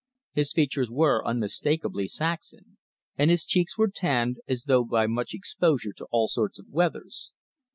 His features were unmistakably Saxon, and his cheeks were tanned, as though by much exposure to all sorts of weathers.